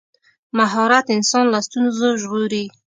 مهارت انسان له ستونزو ژغوري.